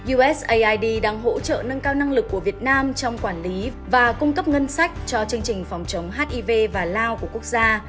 usaid đang hỗ trợ nâng cao năng lực của việt nam trong quản lý và cung cấp ngân sách cho chương trình phòng chống hiv và lao của quốc gia